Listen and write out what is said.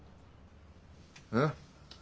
えっ？